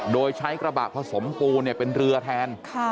โดยใช้กระบะผสมปูนเป็นเรือแทน